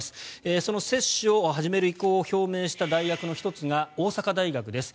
その接種を始める意向を表明した大学の１つが大阪大学です。